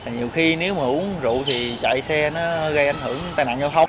nhiều khi nếu mà uống rượu thì chạy xe nó gây ảnh hưởng tai nạn giao thông